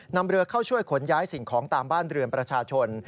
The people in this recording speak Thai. นำเรือเข้าช่วยขนย้ายสิ่งของตามบ้านเรือนประชาชน